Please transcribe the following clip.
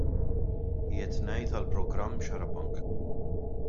Qiegħed ngħid għall-programm Xarabank.